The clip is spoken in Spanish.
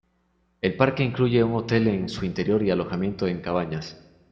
El parque incluye un hotel en su interior y alojamiento en cabañas.